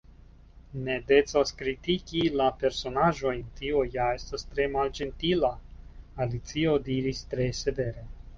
"Ne decas kritiki la personaĵojn; tio ja estas tre malĝentila." Alicio diris tre severe.